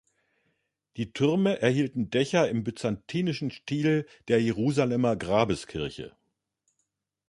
Die Türme erhielten Dächer im byzantinischen Stil der Jerusalemer Grabeskirche.